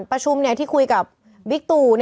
ประชุมที่คุยกับบิ๊กตู